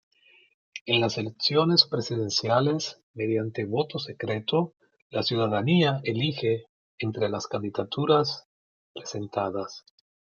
En las elecciones presidenciales, mediante voto secreto, la ciudadanía elige entre las candidaturas presentadas.